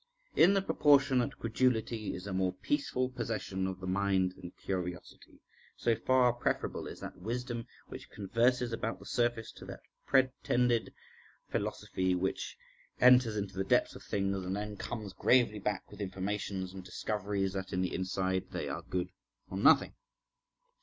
In the proportion that credulity is a more peaceful possession of the mind than curiosity, so far preferable is that wisdom which converses about the surface to that pretended philosophy which enters into the depths of things and then comes gravely back with informations and discoveries, that in the inside they are good for nothing.